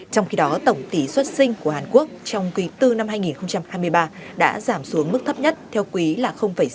trong khi đó tổng tỷ xuất sinh của hàn quốc trong quý bốn năm hai nghìn hai mươi ba đã giảm xuống mức thấp nhất theo quý là sáu mươi